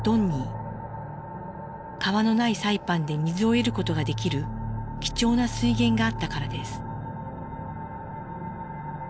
川のないサイパンで水を得ることができる貴重な水源があったからです。